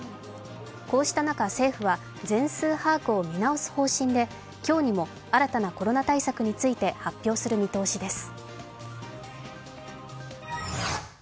こうした中政府は全数把握を見直す方針で今日にも新たなコロナ対策について発表する見通しです。